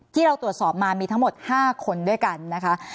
ที่เราตรวจสอบมามีทั้งหมด๕คนด้วยกันนะคะ